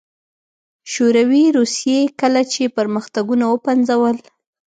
شوروي روسيې کله چې پرمختګونه وپنځول